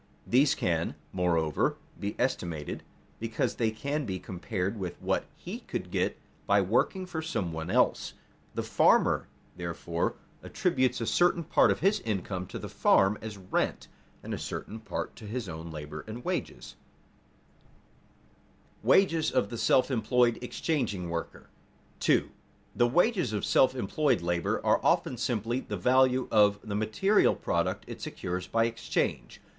These can, moreover, be estimated, because they can be compared with what he could get by working for some one else. The farmer, therefore, attributes a certain part of his income to the farm as rent and a certain part to his own labor as wages. [Sidenote: Wages of the self employed exchanging worker] 2. _The wages of self employed labor are often simply the value of the material product it secures by exchange.